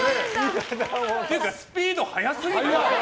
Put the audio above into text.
っていうかスピード早すぎる！